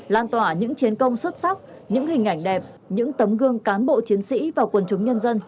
lan tỏa những chiến công xuất sắc những hình ảnh đẹp những tấm gương cán bộ chiến sĩ và quần chúng nhân dân